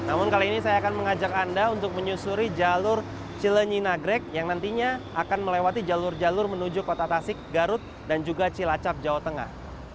namun kali ini saya akan mengajak anda untuk menyusuri jalur cilenyi nagrek yang nantinya akan melewati jalur jalur menuju kota tasik garut dan juga cilacap jawa tengah